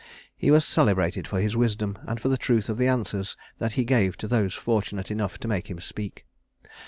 He was celebrated for his wisdom and for the truth of the answers that he gave to those fortunate enough to make him speak.